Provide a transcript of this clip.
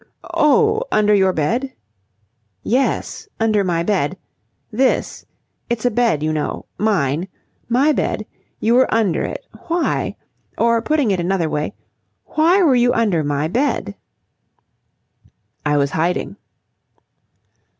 "Oh, under your bed?" "Yes. Under my bed. This. It's a bed, you know. Mine. My bed. You were under it. Why? Or putting it another way, why were you under my bed?" "I was hiding."